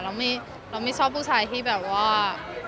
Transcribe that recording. เราไม่ชอบผู้ชายที่แบบว่า